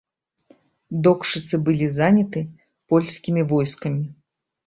Докшыцы былі заняты польскімі войскамі.